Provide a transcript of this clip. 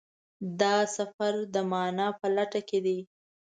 دا سفر د مانا په لټه کې دی.